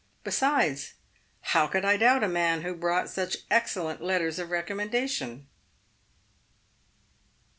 Besides, how could I doubt a man who brought such excellent letters of recommendation